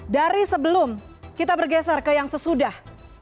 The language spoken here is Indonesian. dari sebelum kita bergeser ke yang sesudah